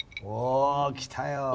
お来たよ